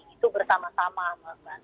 itu bersama sama mbak